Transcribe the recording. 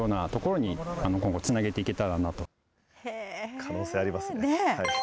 可能性ありますね。